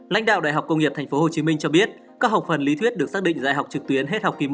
lãnh đạo đại học công nghiệp tp hcm cho biết các học phần lý thuyết được xác định dạy học trực tuyến hết học kỳ một